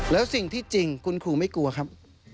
แล้วสิ่งที่จริงคุณครูไม่กลัวครับ